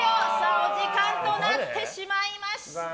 お時間となってしまいました。